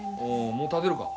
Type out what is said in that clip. もう立てるか？